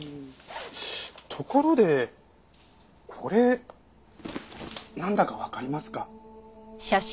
ところでこれなんだかわかりますか？